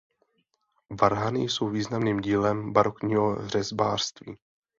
Varhany jsou významným dílem barokního řezbářství.